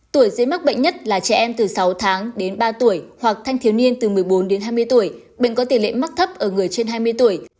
tuổi dễ mắc bệnh nhất là trẻ em từ sáu tháng đến ba tuổi hoặc thanh thiếu niên từ một mươi bốn đến hai mươi tuổi bệnh có tỷ lệ mắc thấp ở người trên hai mươi tuổi